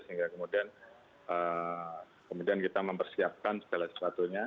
sehingga kemudian kita mempersiapkan segala sesuatunya